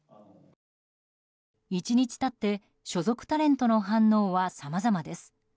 １日経って所属タレントの反応はさまざまです。